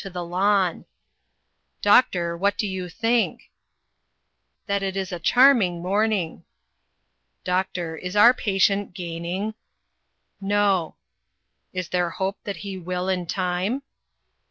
to the lawn. " Doctor, what do you think ?"." That it is a charming morning." " Doctor, is our patient gaining ?" No." "Is there hope that he will in time?"